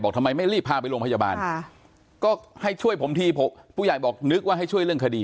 ทำไมไม่รีบพาไปโรงพยาบาลก็ให้ช่วยผมทีผู้ใหญ่บอกนึกว่าให้ช่วยเรื่องคดี